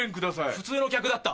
普通の客だった。